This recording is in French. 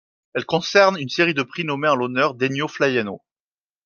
Elles concernent une série de prix nommés en l'honneur d'Ennio Flaiano.